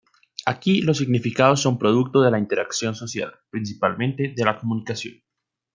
Aquí los significados son producto de la interacción social, principalmente de la comunicación.